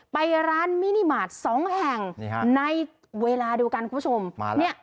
ไปร้านมินิมาร์ทสองแห่งนี่ฮะในเวลาดูกันคุณผู้ชมมาล่ะ